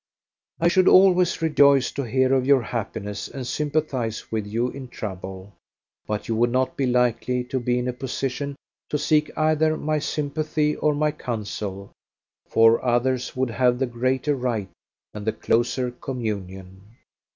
I should always rejoice to hear of your happiness and sympathize with you in trouble; but you would not be likely to be in a position to seek either my sympathy or my counsel, for others would have the greater right and the closer communion.